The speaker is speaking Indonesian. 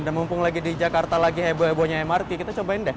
dan mumpung lagi di jakarta lagi heboh hebohnya mrt kita cobain deh